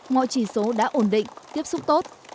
mọi chỉ số đã ổn định tiếp xúc tốt